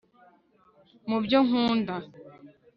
mubyo nkunda